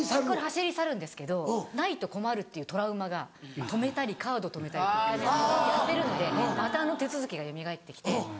走り去るんですけどないと困るっていうトラウマが止めたりカード止めたりって１回目やってるのでまたあの手続きがよみがえってきて。